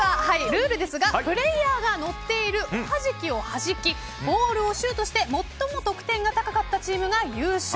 ルールですがプレイヤーが乗っているおはじきをはじきボールをシュートして最も得点が高かったチームが優勝。